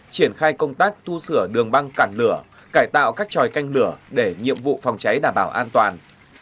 triển khai công tác tu sửa đường băng cản lửa cải tạo các tròi canh lửa để nhiệm vụ phòng cháy đảm bảo an toàn